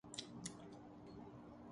دھوبی کو کپڑے پکڑا او